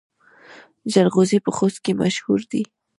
جلغوزي په خوست کې مشهور دي